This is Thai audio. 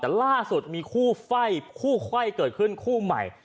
แต่ล่าสุดมีคู่ไฟ่คู่ไขว้เกิดขึ้นคู่ใหม่